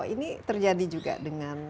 ini terjadi juga dengan